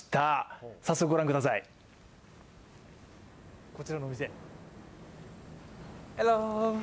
早速ご覧ください、こちらのお店。